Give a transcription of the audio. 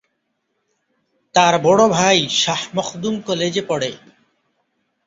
তার বড় ভাই শাহ মখদুম কলেজে পড়ে।